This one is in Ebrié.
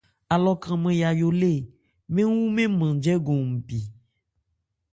Alɔ kranman yayó lê ń wu mɛ́n nman jɛ́gɔn npi.